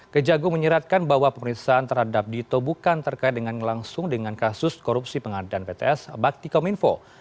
kejaksaan agung menyeratkan bahwa pemerintahan terhadap dito bukan terkait dengan langsung dengan kasus korupsi pengadaan bts bakti kominfo